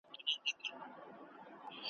څو چي ورېځ پر آسمان ګرځي `